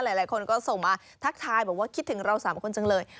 หลายคนก็ส่งมาทักทายบอกว่าคิดถึงเรา๓คนจังเลย